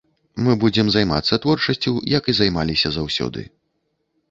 Мы будзем займацца творчасцю, як і займаліся заўсёды.